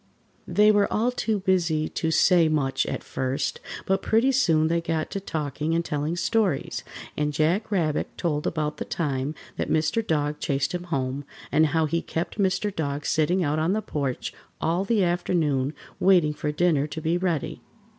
] They were all too busy to say much at first, but pretty soon they got to talking and telling stories, and Jack Rabbit told about the time that Mr. Dog chased him home, and how he kept Mr. Dog sitting out on the porch all the afternoon waiting for dinner to be ready.